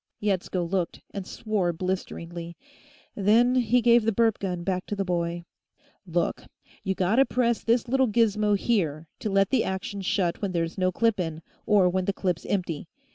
Yetsko looked, and swore blisteringly. Then he gave the burp gun back to the boy. "Look; you gotta press this little gismo, here, to let the action shut when there's no clip in, or when the clip's empty.